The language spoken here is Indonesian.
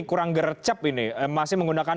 kurang gercep ini masih menggunakan